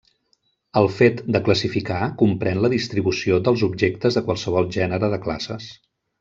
El fet de classificar comprèn la distribució dels objectes de qualsevol gènere de classes.